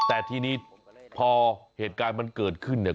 แต่ทีนี้พอเหตุการณ์มันเกิดขึ้นเนี่ย